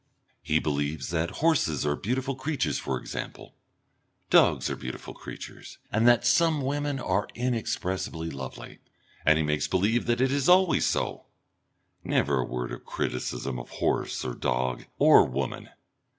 He believes that horses are beautiful creatures for example, dogs are beautiful creatures, that some women are inexpressibly lovely, and he makes believe that this is always so. Never a word of criticism of horse or dog or woman!